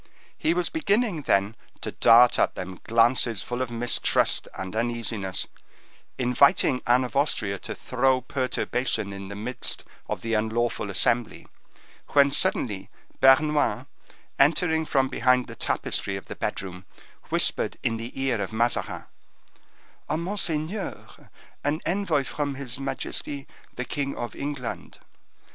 He was beginning, then, to dart at them glances full of mistrust and uneasiness, inviting Anne of Austria to throw perturbation in the midst of the unlawful assembly, when, suddenly, Bernouin, entering from behind the tapestry of the bedroom, whispered in the ear of Mazarin, "Monseigneur, an envoy from his majesty, the king of England."